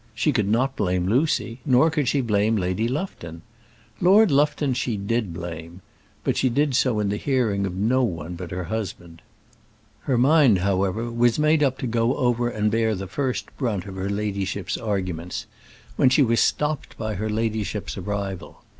She could not blame Lucy, nor could she blame Lady Lufton. Lord Lufton she did blame, but she did so in the hearing of no one but her husband. Her mind, however, was made up to go over and bear the first brunt of her ladyship's arguments, when she was stopped by her ladyship's arrival.